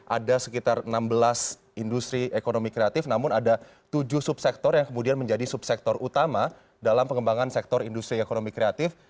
ada sekitar enam belas industri ekonomi kreatif namun ada tujuh subsektor yang kemudian menjadi subsektor utama dalam pengembangan sektor industri ekonomi kreatif